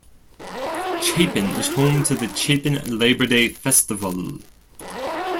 Chapin is home to the Chapin Labor Day Festival.